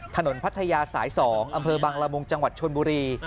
พัทยาสาย๒อำเภอบังละมุงจังหวัดชนบุรี